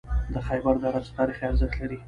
د خیبر دره څه تاریخي ارزښت لري؟